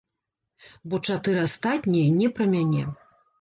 Бо чатыры астатнія не пра мяне.